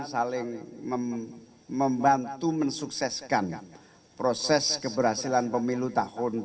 saling membantu mensukseskan proses keberhasilan pemilu tahun dua ribu dua puluh